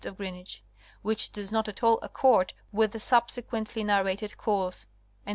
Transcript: Gr., which does not at all accord with the subsequently narrated course, etc.